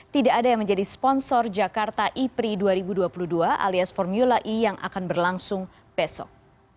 tidak ada yang menjadi sponsor jakarta ipri dua ribu dua puluh dua alias formula e yang akan berlangsung besok